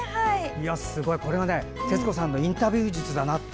すごい、これは徹子さんのインタビュー術だなって。